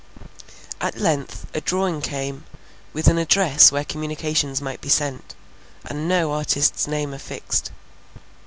At length a drawing came, with an address where communications might be sent, and no artist's name affixed.